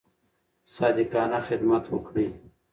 صادقانه خدمت وکړئ.